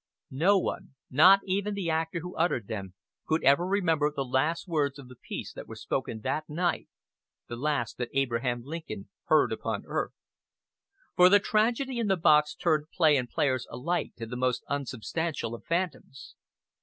No one, not even the actor who uttered them, could ever remember the last words of the piece that were spoken that night the last that Abraham Lincoln heard upon earth; for the tragedy in the box turned play and players alike to the most unsubstantial of phantoms.